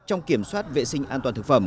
trong kiểm soát vệ sinh an toàn thực phẩm